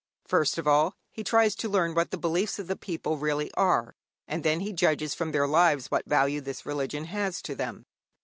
First of all, he tries to learn what the beliefs of the people really are, and then he judges from their lives what value this religion has to them.